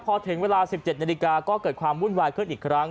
พอถึงเวลา๑๗นาฬิกาก็เกิดความวุ่นวายขึ้นอีกครั้ง